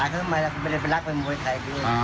บอกเหมือนว่าไม่ได้รักมีเมืองไทยด้วย